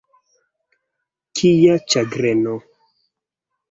Kia ĉagreno!